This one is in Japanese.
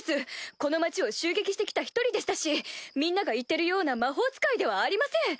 この町を襲撃して来た一人でしたしみんなが言ってるような魔法使いではありません！